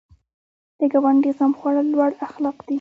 د ګاونډي غم خوړل لوړ اخلاق دي